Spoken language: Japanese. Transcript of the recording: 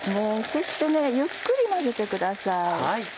そしてゆっくり混ぜてください。